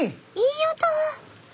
いい音！